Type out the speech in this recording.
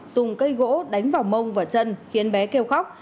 dùng cây gỗ đánh vào mông và chân khiến bé kêu khóc